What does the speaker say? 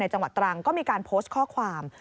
จังหวัดตรังก็มีการโพสต์ข้อความ